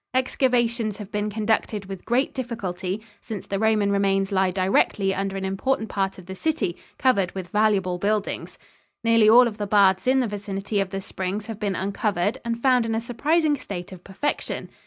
Excavations have been conducted with great difficulty, since the Roman remains lie directly under an important part of the city covered with valuable buildings. Nearly all of the baths in the vicinity of the springs have been uncovered and found in a surprising state of perfection.